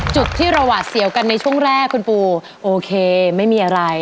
จุดที่เราหวาดเสียวกันในช่วงแรกคุณปูโอเคไม่มีอะไร